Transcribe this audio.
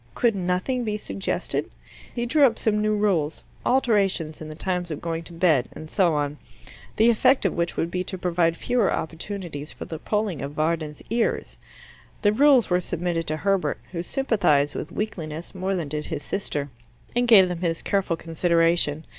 Could nothing be suggested? He drew up some new rules alterations in the times of going to bed, and so on the effect of which would be to provide fewer opportunities for the pulling of Varden's ears. The rules were submitted to Herbert, who sympathized with weakliness more than did his sister, and gave them his careful consideration.